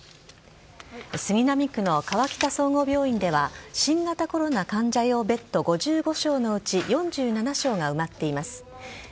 杉並区の河北総合病院では、新型コロナ患者用ベッド５５床のうち４７床が埋まっています。